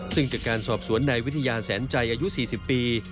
ซึ่งจากการสอบสวนนายวิทยาแสนใจอายุ๔๐ปี